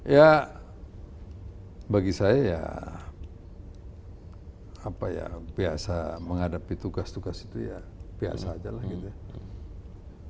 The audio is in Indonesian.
ya bagi saya ya apa ya biasa menghadapi tugas tugas itu ya biasa aja lah gitu ya